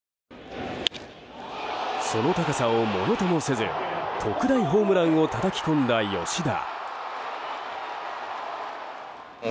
その高さをものともせず特大ホームランをたたき込んだ吉田。